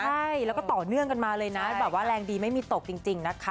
ใช่แล้วก็ต่อเนื่องกันมาเลยนะแบบว่าแรงดีไม่มีตกจริงนะคะ